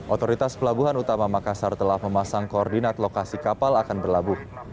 otoritas pelabuhan utama makassar telah memasang koordinat lokasi kapal akan berlabuh